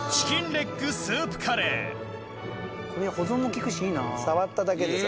保存も利くしいいな。